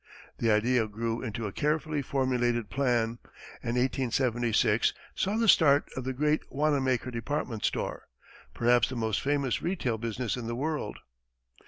The idea grew into a carefully formulated plan, and 1876 saw the start of the great Wanamaker department store, perhaps the most famous retail business in the world.